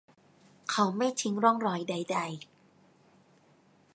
เขาไม่ทิ้งร่องรอยใด ๆ